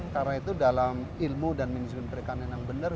karena itu dalam ilmu dan management perikanan yang benar